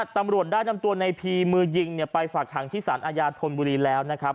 ตำรวจได้นำตัวในพีมือยิงไปฝากหังที่สารอาญาธนบุรีแล้วนะครับ